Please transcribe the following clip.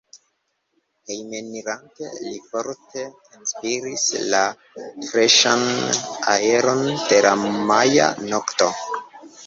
Hejmenirante li forte enspiris la freŝan aeron de la maja nokto.